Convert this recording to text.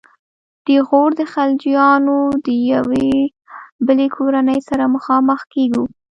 د غور د خلجیانو د یوې بلې کورنۍ سره مخامخ کیږو.